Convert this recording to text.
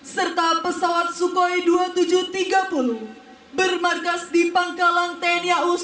serta pesawat sukoi dua ribu tujuh ratus tiga puluh bermarkas di pangkalan tniau sukoi